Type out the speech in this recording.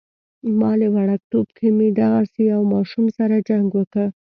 مالې وړوکتوب کې مې دغسې يو ماشوم سره جنګ وکه.